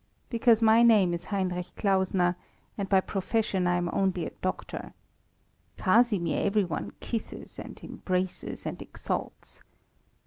Because my name is Heinrich Klausner, and by profession I am only a doctor. Casimir every one kisses and embraces and exalts.